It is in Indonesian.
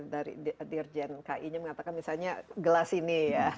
dari dirjen ki nya mengatakan misalnya gelas ini ya